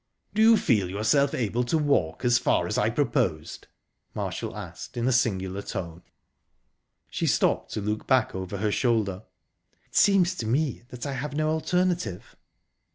"Do you feel yourself able to walk as far as I proposed?" Marshall asked in a singular tone. She stopped to look back over her shoulder. "It seems to me that I have no alternative."